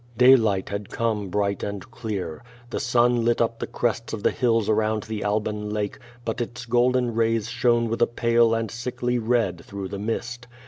Daylight had come bright and clear. The sun lit up the crests of the hills around the Alban Lake, but its golden rays shone with a pale and sickly red through the mist.